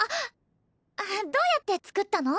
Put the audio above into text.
あっどうやって作ったの？